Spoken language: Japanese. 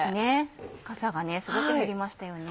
かさがすごく減りましたよね。